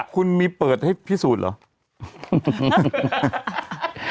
คุณมีเปิดให้พิสูจน์เหรอ